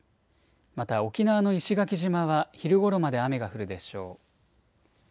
また沖縄の石垣島は昼ごろまで雨が降るでしょう。